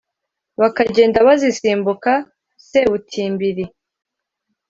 bakagenda bazisimbuka sebutimbiri.